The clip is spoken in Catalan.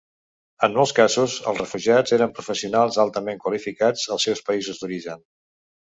En molts casos, els refugiats eren professionals altament qualificats als seus països d'origen.